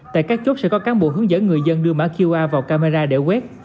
tại các chốt sẽ có cán bộ hướng dẫn người dân đưa mã qr vào camera để quét